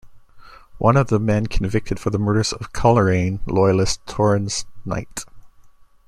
One of the men convicted for the murders was Coleraine loyalist Torrens Knight.